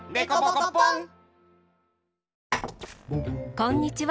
こんにちは。